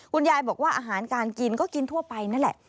คุณยายบอกว่าอาหารการกินก็กินทั่วไปนั่นแหละ